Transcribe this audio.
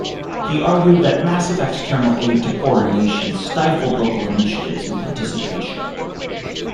He argued that massive external aid to poorer nations stifled local initiatives and participation.